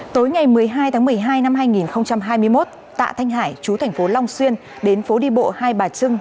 tối ngày một mươi hai tháng một mươi hai năm hai nghìn hai mươi một tạ thanh hải chú thành phố long xuyên đến phố đi bộ hai bà trưng